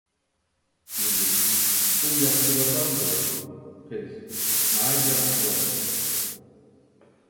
يىگىت: ئۇ ياخشى تۇرۇۋاتامدۇ؟ قىز: ناھايىتى ياخشى تۇرۇۋاتىدۇ.